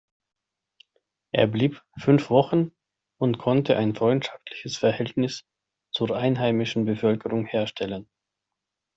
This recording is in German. Er blieb fünf Wochen und konnte ein freundschaftliches Verhältnis zur einheimischen Bevölkerung herstellen.